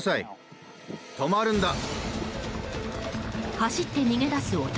走って逃げ出す男。